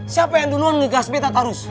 siapa yang duluan ngegas betta terus